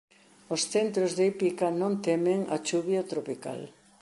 Os centros de hípica non temen a chuvia tropical